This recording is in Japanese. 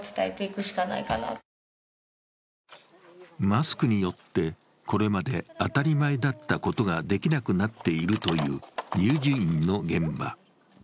マスクによって、これまで当たり前だったことができなくなっているという乳児院の現場。